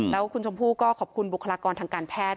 แล้วคุณชมพู่ก็ขอบคุณบุคลากรทางการแพทย์